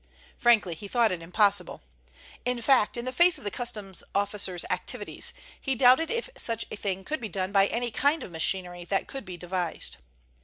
Frankly he thought it impossible. In fact, in the face of the Customs officers' activities, he doubted if such a thing could be done by any kind of machinery that could be devised.